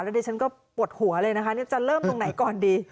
ดิฉันก็ปวดหัวเลยนะคะจะเริ่มตรงไหนก่อนดี